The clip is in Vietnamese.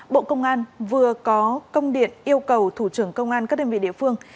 bộ công an vừa có công điện yêu cầu thủ trưởng công an các đơn vị địa phương